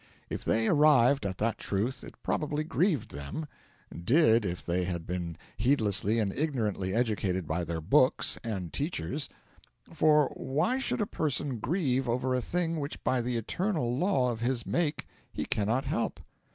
If they arrived at that truth it probably grieved them did, if they had been heedlessly and ignorantly educated by their books and teachers; for why should a person grieve over a thing which by the eternal law of his make he cannot help?